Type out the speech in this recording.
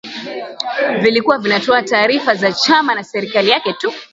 vilikuwa vinatoa taarifa za chama na serikali yake tu